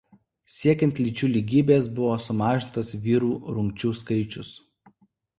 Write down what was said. Siekiant lyčių lygybės buvo sumažintas vyrų rungčių skaičius.